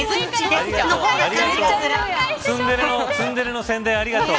ツンデレの宣伝、ありがとう。